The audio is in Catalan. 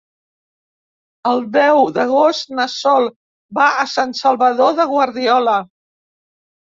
El deu d'agost na Sol va a Sant Salvador de Guardiola.